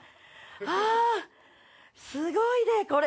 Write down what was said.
あすごいでこれ！